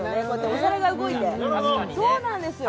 お皿が動いてそうなんですよ